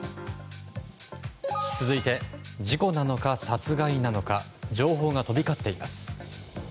続いて事故なのか、殺害なのか情報が飛び交っています。